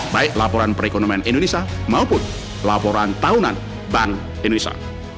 baik laporan perekonomian indonesia maupun laporan tahunan bank indonesia